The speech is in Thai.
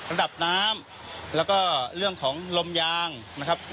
ระดับน้ำแล้วก็เรื่องของลมยางนะครับ